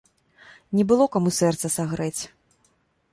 Не было каму сэрца сагрэць.